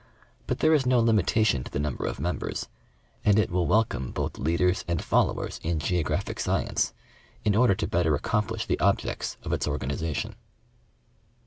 But there is no limitation to the number of members, and it will welcome both leaders and followers in geographic science, in order to better accomplish the objects of its organization.